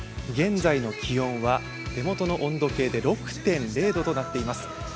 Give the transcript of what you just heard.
現在の気温は手元の温度計で６．０度となっています。